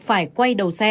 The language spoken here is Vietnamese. phải quay đầu xe